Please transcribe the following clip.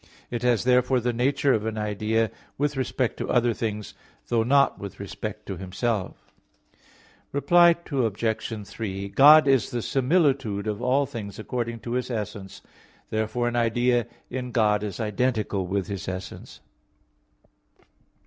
It has therefore the nature of an idea with respect to other things; though not with respect to Himself. Reply Obj. 3: God is the similitude of all things according to His essence; therefore an idea in God is identical with His essence.